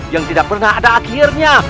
yang tidak pernah ada akhirnya